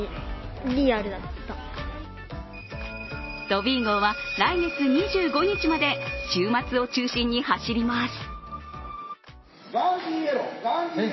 トビー号は来月２５日まで週末を中心に走ります。